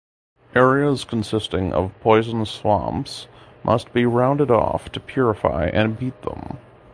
Areas consisting of poison swamps must be rounded off to "purify" and beat them.